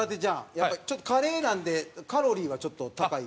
やっぱりカレーなんでカロリーがちょっと高い。